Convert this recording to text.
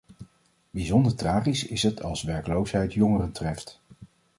Bijzonder tragisch is het als werkloosheid jongeren treft.